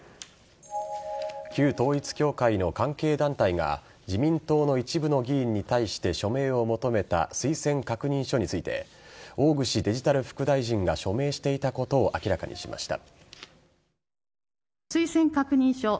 旧統一教会の関係団体が自民党の一部の議員に対して署名を求めた推薦確認書について大串デジタル副大臣が署名していたことを明らかにしました。